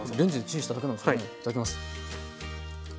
いただきます。